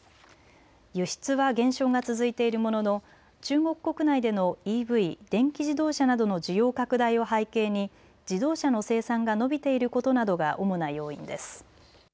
輸出は減少が続いているものの中国国内でのＥＶ・電気自動車などの需要拡大を背景に自動車の生産が伸びていることなどが主な要因です。